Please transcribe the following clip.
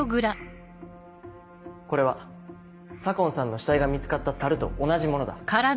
これは左紺さんの死体が見つかった樽と同じものだ。